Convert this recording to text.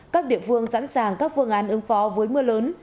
các địa phương sẵn sàng các phương án ứng phó với mưa lớn